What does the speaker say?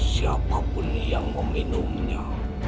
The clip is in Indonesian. siapapun yang meminumnya